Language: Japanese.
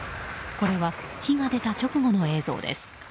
これは火が出た直後の映像です。